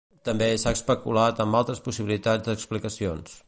També s'ha especulat amb altres possibilitats d'explicacions.